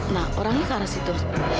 nah orangnya ke arah situ